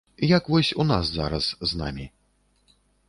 Як вось у нас зараз з намі.